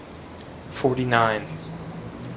forty-nine.